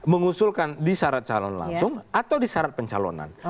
mengusulkan di syarat calon langsung atau di syarat pencalonan